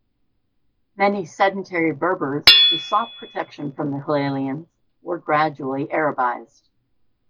Many sedentary Berbers who sought protection from the Hilalians were gradually Arabized.